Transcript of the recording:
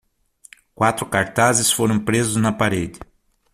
Quatro cartazes foram presos na parede